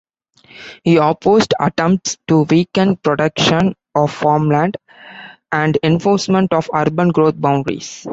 He opposed attempts to weaken protection of farmland and enforcement of urban growth boundaries.